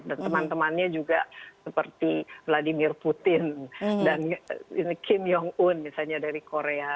dan teman temannya juga seperti vladimir putin dan kim jong un misalnya dari korea